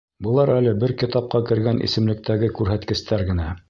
Былар әле бер китапҡа кергән исемлектәге күрһәткестәр генә!